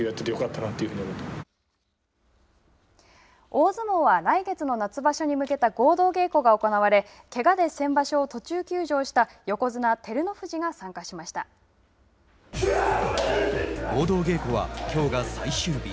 大相撲は、来月の夏場所に向けた合同稽古が行われけがで先場所を途中休場した合同稽古は、きょうが最終日。